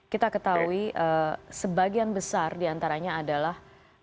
kita ketahui sebagian besar diantaranya adalah